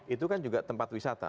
itu kan juga tempat wisata